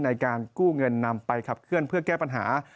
ในการกู้เงินนำไปขับเคลื่อนเพื่อแก้ปัญหา